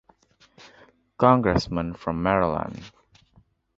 Congressman from Maryland.